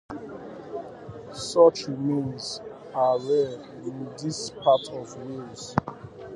Such remains are rare in this part of Wales.